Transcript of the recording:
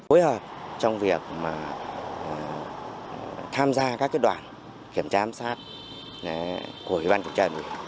phối hợp trong việc tham gia các đoàn kiểm tra giám sát của ủy ban kiểm tra